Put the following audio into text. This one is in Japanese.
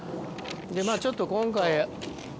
でまぁちょっと今回。